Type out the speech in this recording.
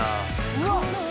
うわっ！